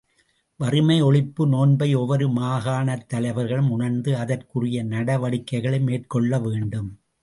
வறுமை ஒழிப்பு நோன்பை ஒவ்வொரு மாகாணத் தலைவர்களும் உணர்ந்து, அதற்குரிய நடவடிக்கைகளை மேற்கொள்ள வேண்டும்.